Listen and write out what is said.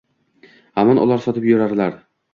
Hamon ular sotib yurarlar.